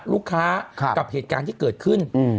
ลูกค้ากับเหตุการณ์ที่เกิดขึ้น